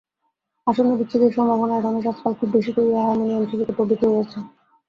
আসন্ন বিচ্ছেদের সম্ভাবনায় রমেশ আজকাল খুব বেশি করিয়া হারমোনিয়ম শিখিতে প্রবৃত্ত হইয়াছে।